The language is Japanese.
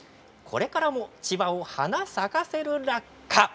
これからも千葉を花咲かせるラッカ！